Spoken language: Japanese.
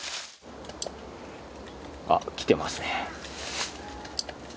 あっ来てますね。